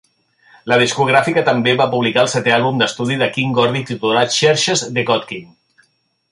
La discogràfica també va publicar el setè àlbum d'estudi de King Gordy titulat 'Xerxes The God-King'.